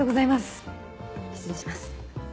失礼します。